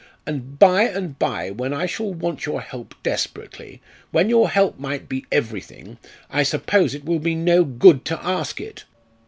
And by and by, when I shall want your help desperately, when your help might be everything I suppose it will be no good to ask it."